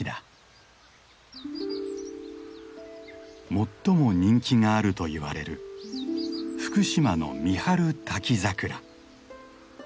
最も人気があるといわれる福島の三春滝桜。